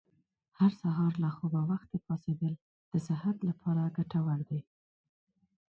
هر سهار له خوبه وختي پاڅېدل د صحت لپاره ګټور دي.